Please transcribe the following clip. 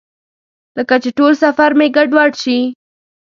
لکه چې ټول سفر مې ګډوډ شي.